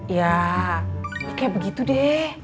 ya kayak begitu deh